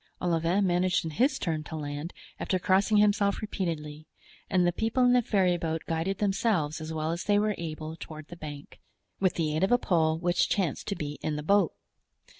Olivain managed in his turn to land, after crossing himself repeatedly; and the people in the ferryboat guided themselves as well as they were able toward the bank, with the aid of a pole which chanced to be in the boat.